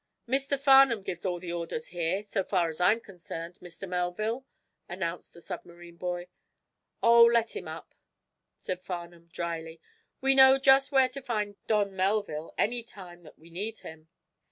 "Mr. Farnum gives all the orders here, so far as I'm concerned, Mr. Melville," announced the submarine boy. "Oh, let him up," said Farnum, dryly. "We know just where to find Don Melville any time that we need him."